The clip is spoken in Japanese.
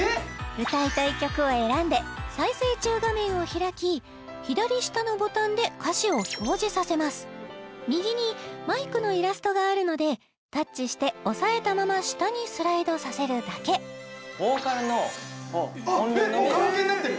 歌いたい曲を選んで「再生中」画面を開き左下のボタンで歌詞を表示させます右にマイクのイラストがあるのでタッチして押さえたまま下にスライドさせるだけボーカルの音量のみがもうカラオケになってる！